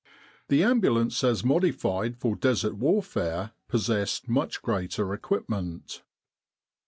The Ambulance as modified for Desert warfare possessed much greater equipment.